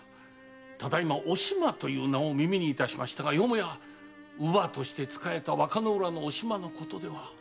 ただいま「お島」という名を耳にいたしましたがよもや乳母として仕えた和歌浦のお島のことでは？